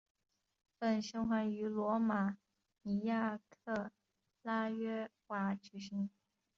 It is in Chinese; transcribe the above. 本循环于罗马尼亚克拉约瓦举行。